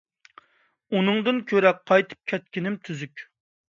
ئۇنىڭدىن كۆرە قايتىپ كەتكىنىم تۈزۈك.